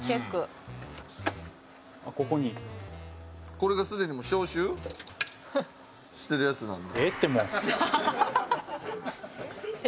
これが既に消臭してるやつなんで。